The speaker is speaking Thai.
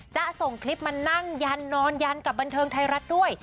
จะส่งคลิปมานั่งยันนอนยันกับบันเทิงไทยรัฐด้วย